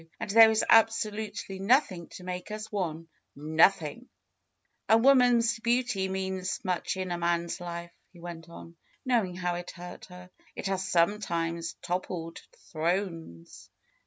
And there is absolutely nothing to make us one ; nothing !" ^^A woman's beauty means much in a man's life," he went on, knowing how it hurt her. ^Ht has some times toppled thrones."